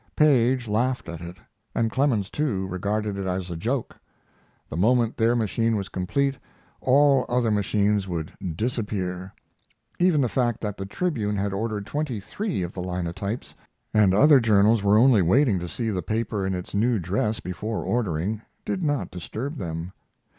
Paige laughed at it, and Clemens, too, regarded it as a joke. The moment their machine was complete all other machines would disappear. Even the fact that the Tribune had ordered twenty three of the linotypes, and other journals were only waiting to see the paper in its new dress before ordering, did not disturb them.